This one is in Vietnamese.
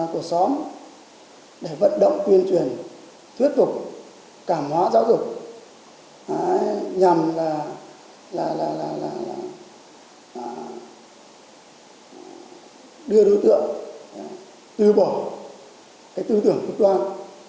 của xóm để vận động tuyên truyền thuyết phục cảm hóa giáo dục nhằm đưa đối tượng tư bỏ tư tưởng phức đoan